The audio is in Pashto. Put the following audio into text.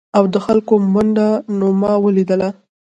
او د خلکو منډه نو ما ولیدله ؟